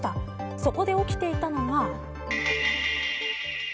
そこで起きていたのが。